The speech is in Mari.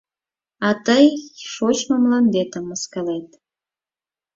— А тый шочмо мландетым мыскылет.